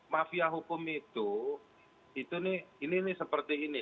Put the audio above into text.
mafia hukum itu ini seperti ini